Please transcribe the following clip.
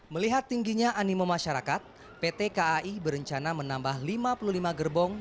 melihat tingginya animo masyarakat pt kai berencana menambah lima puluh lima gerbong